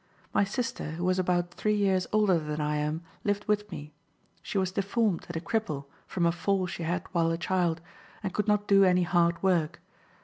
My sister, who was about three years older than I am, lived with me. She was deformed and a cripple from a fall she had while a child, and could not do any hard work.